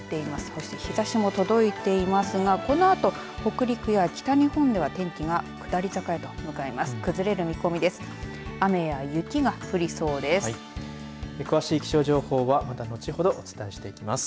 そして、日ざしも届いていますがこのあと北陸や北日本では天気が下り坂へと向かいます。